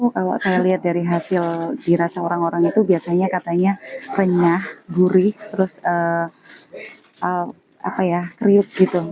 kalau saya lihat dari hasil dirasa orang orang itu biasanya katanya renyah gurih terus kriuk gitu